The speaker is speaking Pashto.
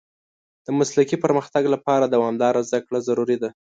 د مسلکي پرمختګ لپاره دوامداره زده کړه ضروري ده.